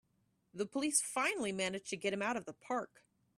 The police finally manage to get him out of the park!